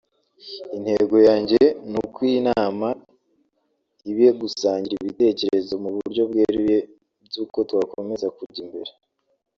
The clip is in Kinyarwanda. Intego yanjye ni uko iyi nama iba gusangira ibitekerezo mu buryo bweruye by’uko twakomeza kujya imbere